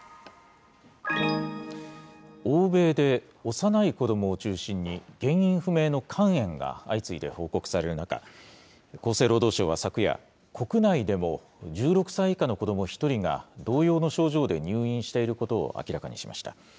欧米で幼い子どもを中心に、原因不明の肝炎が相次いで報告される中、厚生労働省は昨夜、国内でも１６歳以下の子ども１人が同様の症状で入院していることを明らかにしました。